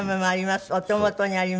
お手元にあります。